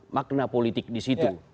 makna politik di situ